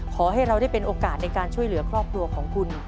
ขอให้เราได้เป็นโอกาสในการช่วยเหลือครอบครัวของคุณ